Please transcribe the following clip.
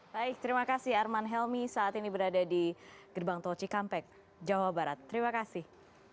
baik terima kasih arman helmi saat ini berada di gerbang tol cikampek jawa barat terima kasih